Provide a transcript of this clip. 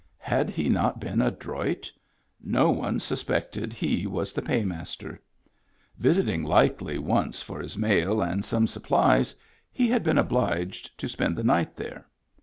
Had he not been adroit? No one suspected he was the paymaster. Visiting Likely once for his mail and some supplies, he had been obliged to spend the night there.